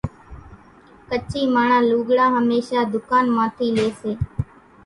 ڪڇي ماڻۿان لوڳڙان ھميشان ڌُڪان مان ٿي لئي سي